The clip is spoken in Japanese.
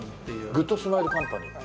グッドスマイルカンパニー？